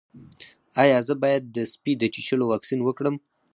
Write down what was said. ایا زه باید د سپي د چیچلو واکسین وکړم؟